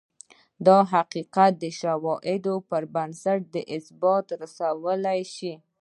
دا حقیقت د شواهدو پر بنسټ په اثبات رسولای شو